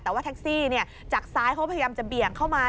แต่ว่าแท็กซี่จากซ้ายเขาพยายามจะเบี่ยงเข้ามา